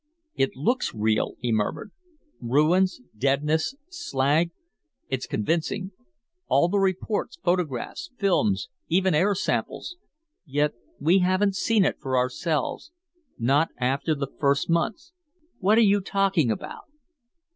"It looks real," he murmured. "Ruins, deadness, slag. It's convincing. All the reports, photographs, films, even air samples. Yet we haven't seen it for ourselves, not after the first months ..." "What are you talking about?"